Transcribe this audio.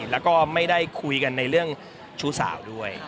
แล้วก็ไม่ได้คุยกันในเรื่องชู้สาวด้วย